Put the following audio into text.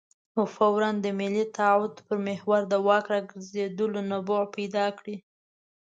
نو فوراً د ملي تعهد پر محور د واک راګرځېدلو نبوغ پیدا کړي.